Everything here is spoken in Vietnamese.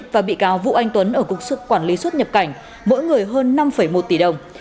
và bị cáo vũ anh tuấn ở cục sức quản lý xuất nhập cảnh mỗi người hơn năm một tỷ đồng